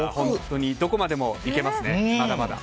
どこまでもいけますねまだまだ。